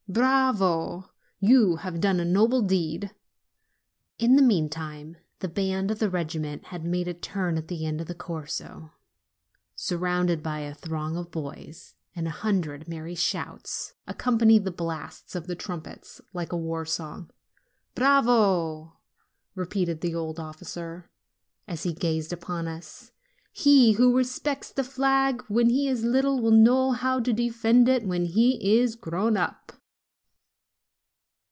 "Bravo!" he said; "you have done a noble deed." In the meantime, the band of the regiment had made a turn at the end of the Cor so, surrounded by a throng of boys, and a hundred merry shouts accom panied the blasts of the trumpets, like a war song. "Bravo !" repeated the old officer, as he gazed upon us; "he who respects the flag when he is little will know how to defend it when he is grown up."